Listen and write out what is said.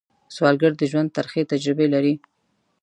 سوالګر د ژوند ترخې تجربې لري